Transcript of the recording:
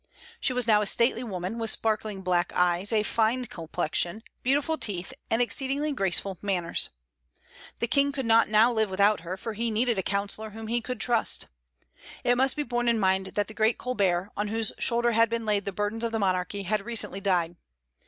She was now a stately woman, with sparkling black eyes, a fine complexion, beautiful teeth, and exceedingly graceful manners. The King could not now live without her, for he needed a counsellor whom he could trust. It must be borne in mind that the great Colbert, on whose shoulders had been laid the burdens of the monarchy, had recently died.